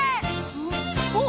おっ！